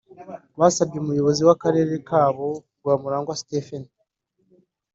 basabye Umuyobozi w’Akarere kabo Rwamurangwa Stephen